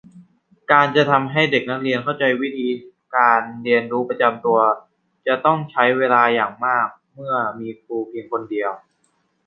การจะทำให้เด็กนักเรียนเข้าใจวิธีการเรียนรู้ประจำตัว จะต้องใช้เวลาอย่างมากเมื่อมีครูเพียงคนเดียว